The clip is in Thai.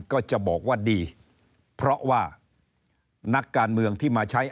ก็จะบอกว่าดีเพราะว่านักการเมืองที่มาใช้